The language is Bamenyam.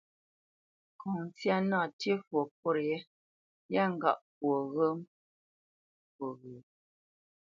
Ŋkɔŋ ntsyá nâ ntī fwo pôt yɛ́, yâ ŋgâʼ fwo ŋgəmə.